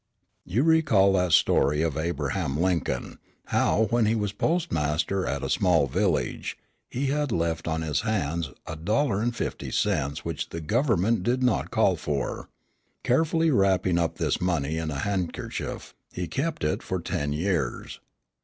"You recall that story of Abraham Lincoln, how, when he was postmaster at a small village, he had left on his hands $1.50 which the government did not call for. Carefully wrapping up this money in a handkerchief, he kept it for ten years.